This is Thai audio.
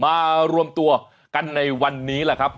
มารวมตัวกันในวันนี้แหละครับ